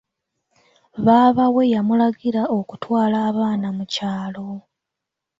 Baaba we yamulagira okutwala abaana mu kyalo.